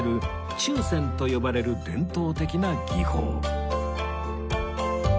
注染と呼ばれる伝統的な技法